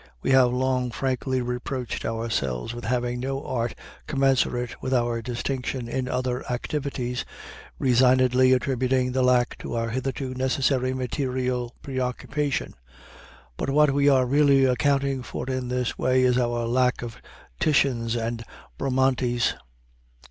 We have long frankly reproached ourselves with having no art commensurate with our distinction in other activities, resignedly attributing the lack to our hitherto necessary material preoccupation. But what we are really accounting for in this way is our lack of Titians and Bramantes.